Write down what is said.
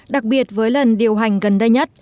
đặc biệt với lần điều hành gần đây nhất